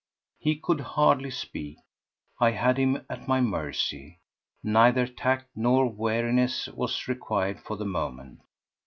He could hardly speak. I had him at my mercy. Neither tact nor wariness was required for the moment.